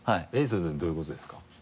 それどういうことですか？